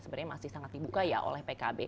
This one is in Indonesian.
sebenarnya masih sangat dibuka ya oleh pkb